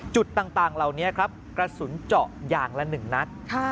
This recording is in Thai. จุดต่างเหล่านี้ครับกระสุนเจาะอย่างละ๑นัด